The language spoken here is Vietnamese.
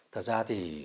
thật ra thì